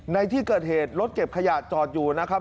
ในที่เกิดเหตุรถเก็บขยะจอดอยู่นะครับ